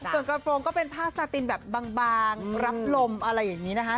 ส่วนกระโปรงก็เป็นผ้าสาตินแบบบางรับลมอะไรอย่างนี้นะคะ